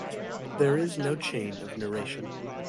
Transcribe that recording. There is no chain of narration.